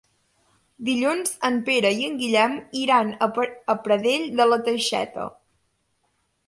Dilluns en Pere i en Guillem iran a Pradell de la Teixeta.